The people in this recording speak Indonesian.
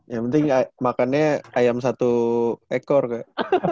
yang penting makannya ayam satu ekor kak